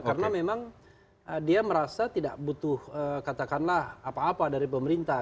karena memang dia merasa tidak butuh katakanlah apa apa dari pemerintah